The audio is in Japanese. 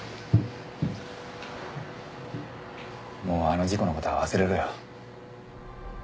もうあの事故のことは忘れろよ。